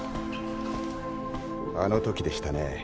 あのときでしたね。